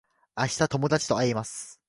明日友達と会います